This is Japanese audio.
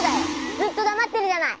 ずっとだまってるじゃない！